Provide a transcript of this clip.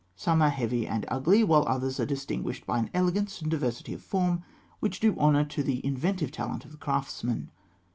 Some are heavy, and ugly (fig. 215), while others are distinguished by an elegance and diversity of form which do honour to the inventive talent of the craftsmen.